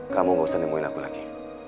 kamu gak usah nemuin aku lagi